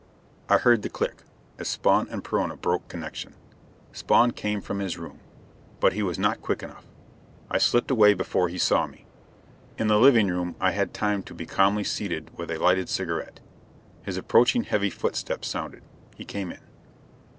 I heard the click as Spawn and Perona broke connection. Spawn came from his room. But he was not quick enough. I slipped away before he saw me. In the living room I had time to be calmly seated with a lighted cigarette. His approaching heavy footsteps sounded. He came in.